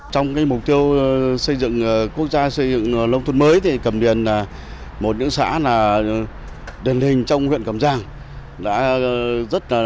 trong mục tiêu xây dựng quốc gia xây dựng lông thuật mới thì cầm điền là một những xã đền hình trong huyện cầm giang